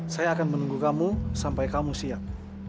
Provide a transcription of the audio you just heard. saya akan menunggu kamu sampai kamu siap